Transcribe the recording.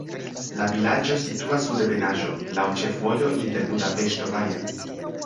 La vilaĝo situas sur ebenaĵo, laŭ ĉefvojo inter Budapeŝto-Baja.